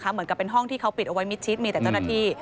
เหมือนกับเป็นห้องที่เขาปิดเอาไว้มิดชิดมีแต่เจ้าหน้าที่